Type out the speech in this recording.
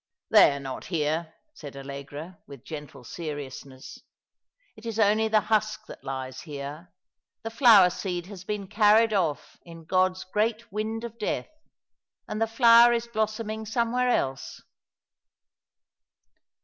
" They are not here," said Allegra, with gentle seriousness. " It is only the husk that lies here — the flower seed has been carried off in God's great wind of death — and the flower is blossoming somewhere else."